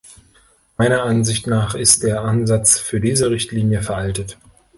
Meiner Ansicht nach ist der Ansatz für diese Richtlinie veraltet.